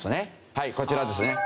はいこちらですね。